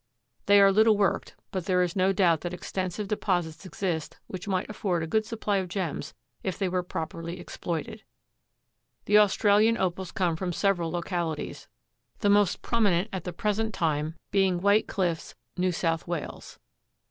They are little worked, but there is no doubt that extensive deposits exist which might afford a good supply of gems if they were properly exploited. The Australian Opals come from several localities, the most prominent at the present time being White Cliffs, New South Wales.